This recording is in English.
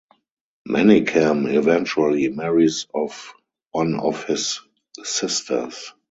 Manikkam eventually marries off one of his sisters.